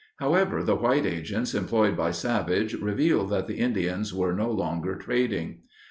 However, the white agents employed by Savage revealed that the Indians were no longer trading.